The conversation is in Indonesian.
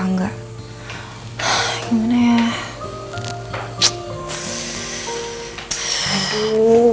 peng barnah kecil ini caregivers